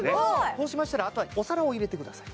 そうしましたらあとはお皿を入れてください